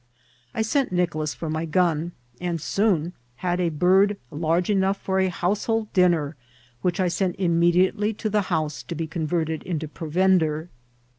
I sent Nioolas for my gun, and soon had a bird large enough for a household din ner, which I sent immcKliately to the house to be oon verted into provender.